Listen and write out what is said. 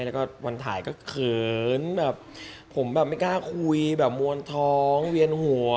แล้วก็วันถ่ายก็เขินแบบผมแบบไม่กล้าคุยแบบมวลท้องเวียนหัว